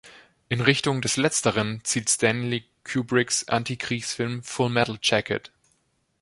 In Richtung des Letzteren zielt Stanley Kubricks Antikriegsfilm Full Metal Jacket.